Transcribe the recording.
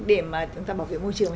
để mà chúng ta bảo vệ môi trường